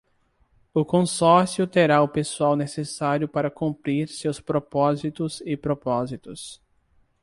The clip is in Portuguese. O consórcio terá o pessoal necessário para cumprir seus propósitos e propósitos.